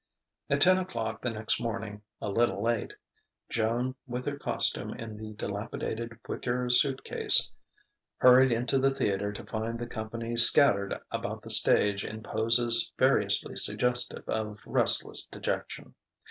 At ten o'clock the next morning a little late Joan, with her costume in the dilapidated wicker suit case, hurried into the theatre to find the company scattered about the stage in poses variously suggestive of restless dejection.